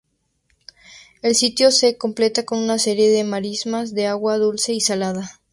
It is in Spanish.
El sitio se completa con una serie de marismas de agua dulce y salada.